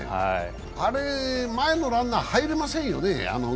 あれは前のランナー、入れませんよね？